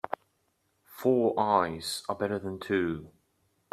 Four eyes are better than two.